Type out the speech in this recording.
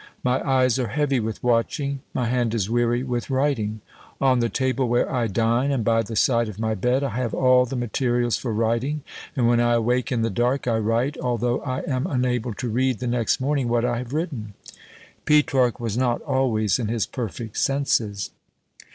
My eyes are heavy with watching, my hand is weary with writing. On the table where I dine, and by the side of my bed, I have all the materials for writing; and when I awake in the dark, I write, although I am unable to read the next morning what I have written." Petrarch was not always in his perfect senses.